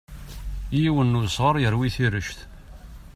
Yiwen n usɣar yerwi tirect.